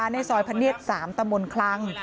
ในซอยพะเนียด๓ตะมนต์คลัง